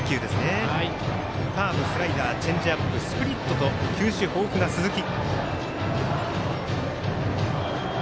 カーブ、スライダーチェンジアップ、スプリットと球種豊富な鈴木。